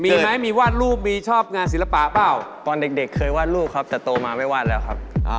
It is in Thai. มีว่าวาดรูปชอบงานศิลปะเปล่า